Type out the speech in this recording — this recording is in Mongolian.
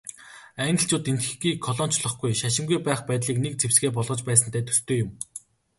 Англичууд Энэтхэгийг колоничлохгүй, шашингүй байх байдлыг нэг зэвсгээ болгож байсантай төстэй юм.